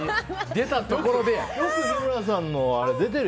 出たところでや！